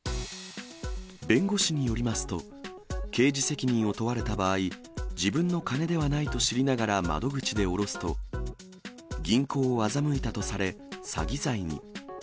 弁護士によりますと、刑事責任を問われた場合、自分の金ではないと知りながら窓口で下ろすと、銀行を欺いたとされ詐欺罪に。